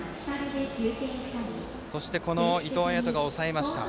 そして、伊藤彩斗が抑えました。